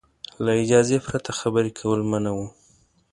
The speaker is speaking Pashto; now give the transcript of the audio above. له اجازې پرته خبرې کول منع وو.